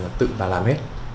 là tự bà làm hết